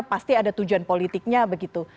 pasti ada tujuan politiknya begitu